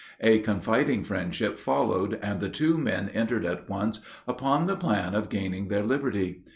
A confiding friendship followed, and the two men entered at once upon the plan of gaining their liberty.